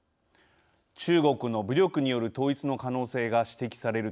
中国の武力による統一の可能性が指摘される